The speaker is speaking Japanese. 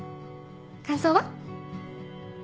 感想は？